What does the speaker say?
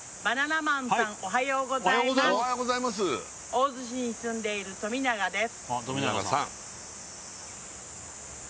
大洲市に住んでいる富永です